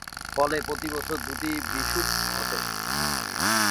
ফলে প্রতিবছর দুটি বিষুব ঘটে।